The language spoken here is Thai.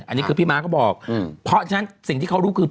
อันนี้คือพี่ม้าก็บอกเพราะฉะนั้นสิ่งที่เขารู้คือ